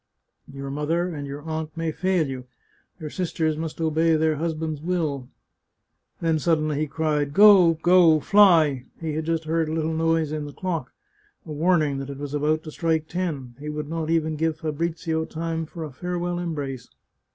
Your mother and your aunt may fail you; your sisters must obey their husbands' will " Then suddenly, he cried :" Go ! Go ! Fly !" He had just heard a little noise in the clock, a warning that it was about to strike ten. He would not even give Fabrizio time for a farewell embrace.